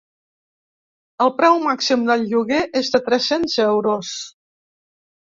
El preu màxim del lloguer és de tres-cents euros.